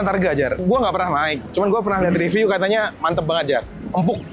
sembilan ratus sebelas targa jar gue nggak pernah naik cuma gue pernah lihat review katanya mantep banget jar empuk